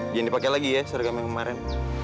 jangan dipakai lagi ya seragam yang kemarin